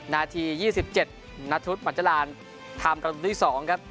นาทียี่สิบเจ็ดนัทธุศิมัตยรารทำกระดูกที่สองครับ